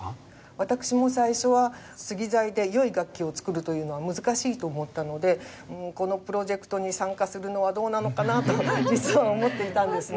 私も最初は杉材で良い楽器を作るというのは難しいと思ったのでこのプロジェクトに参加するのはどうなのかなと実は思っていたんですね。